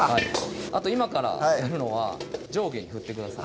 あと今からやるのは上下に振ってください